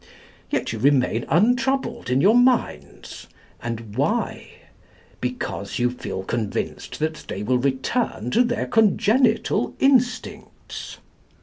Yet you remain untroubled in your minds. And why? Because you feel convinced that they will return to their congenital instincts.